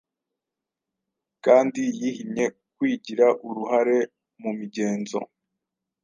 kandi yihimye kuigira uruhare mumigenzo